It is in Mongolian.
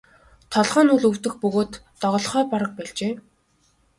Толгой нь үл өвдөх бөгөөд доголохоо бараг больжээ.